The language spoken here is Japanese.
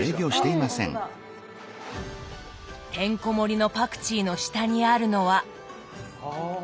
てんこ盛りのパクチーの下にあるのは。